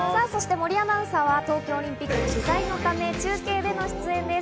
森アナウンサーは東京オリンピックの取材のため、中継での出演です。